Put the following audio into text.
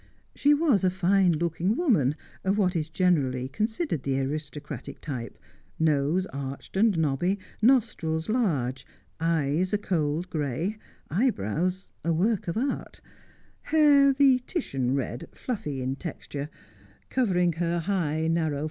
She was a fine looking woman, of what is generally considered the aristocratic type, nose arched and knobby, nostrils large, eyes a cold gray, eyebrows a work of art ; hair the Titian red, fluffy in texture, covering her high, narrow A Friendly Dinner.